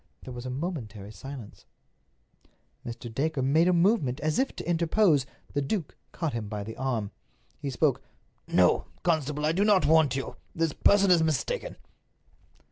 There was a momentary silence. Mr. Dacre made a movement as if to interpose. The duke caught him by the arm. He spoke: "No, constable, I do not want you. This person is mistaken."